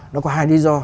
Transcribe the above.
nó có hai lý do